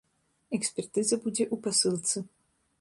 Экспертыза будзе ў пасылцы.